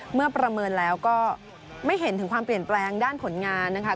ประเมินแล้วก็ไม่เห็นถึงความเปลี่ยนแปลงด้านผลงานนะคะ